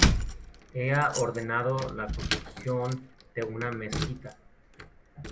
Ella ordenado la construcción de una mezquita.